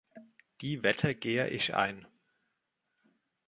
Die Wette gehe ich ein.